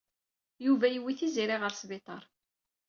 Yuba yewwi Tiziri ɣer sbiṭaṛ.